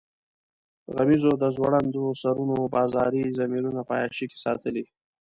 غمیزو د ځوړندو سرونو بازاري ضمیرونه په عیاشۍ کې ساتلي.